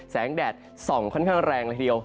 แดดส่องค่อนข้างแรงละทีเดียว